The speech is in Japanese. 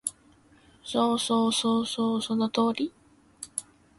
そうそうそうそう、その通り